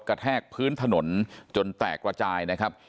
แทกพื้นถนนจนแตกระจายนะครับ